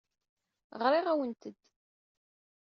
Ɣriɣ-awent-d.